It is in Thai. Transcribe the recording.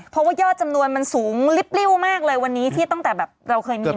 เพราะว่ายอดจำนวนมันสูงริ้วมากเลยที่ตอนแบบเราเคยมีมา